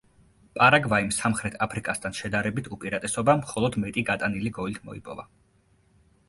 პარაგვაიმ სამხრეთ აფრიკასთან შედარებით უპირატესობა მხოლოდ მეტი გატანილი გოლით მოიპოვა.